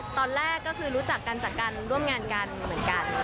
ตอนแรกก็คือรู้จักกันจากการร่วมงานกันเหมือนกัน